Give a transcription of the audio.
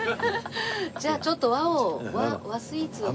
じゃあちょっと和を和スイーツを。